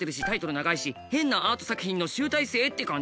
長いし変なアート作品の集大成って感じ。